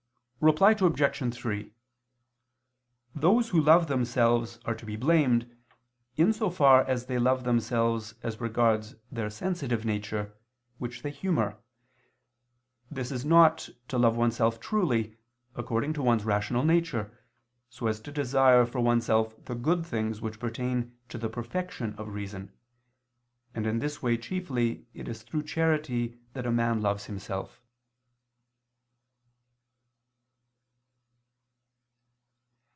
Reply Obj. 3: Those who love themselves are to be blamed, in so far as they love themselves as regards their sensitive nature, which they humor. This is not to love oneself truly according to one's rational nature, so as to desire for oneself the good things which pertain to the perfection of reason: and in this way chiefly it is through charity that a man loves himself.